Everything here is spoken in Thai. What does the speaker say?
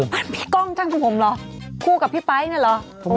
ปั้นพี่กล้องจ้างผมเหรอคู่กับพี่ไป๊คเนี่ยเหรอ